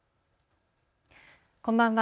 こんばんは。